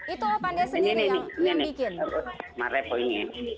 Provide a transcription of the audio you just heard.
itu opande sendiri yang bikin